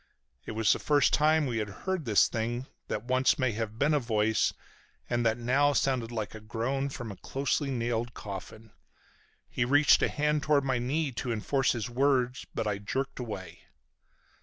It was the first time we had heard this thing that once may have been a voice and that now sounded like a groan from a closely nailed coffin. He reached a hand toward my knee to enforce his words, but I jerked away.